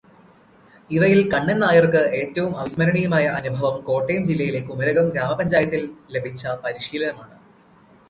ഇവയില് കണ്ണൻ നായർക്ക് ഏറ്റവും അവിസ്മരണീയമായ അനുഭവം കോട്ടയം ജില്ലയിലെ കുമരകം ഗ്രാമപഞ്ചായത്തിൽ ലഭിച്ച പരിശീലനമാണ്.